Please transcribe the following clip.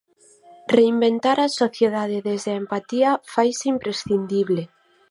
Reinventar a sociedade desde a empatía faise imprescindible.